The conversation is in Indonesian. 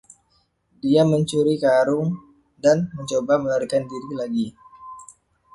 Dia mencuri karung, dan mencoba melarikan diri lagi.